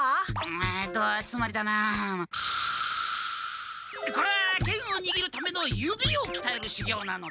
えっとつまりだなこれは剣をにぎるための指をきたえるしゅぎょうなのだ！